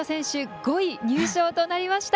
５位入賞となりました。